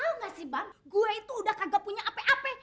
eh tau gak sih bang gue itu udah kagak punya ape ape